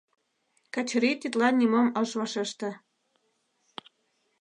Качырий тидлан нимом ыш вашеште.